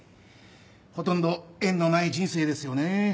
ほとんど縁のない人生ですよねぇ。